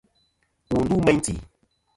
Wù ndu meyn tì.